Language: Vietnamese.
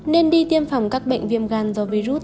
nên đi tiêm phòng các bệnh viêm gan do virus